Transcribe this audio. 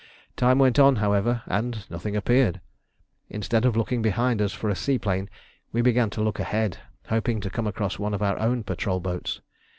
Time went on, however, and nothing appeared. Instead of looking behind us for a seaplane we began to look ahead, hoping to come across one of our own patrol boats.